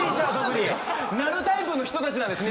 なるタイプの人たちなんです